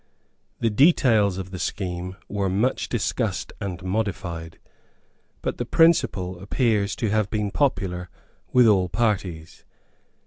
The details of the scheme were much discussed and modified; but the principle appears to have been popular with all parties.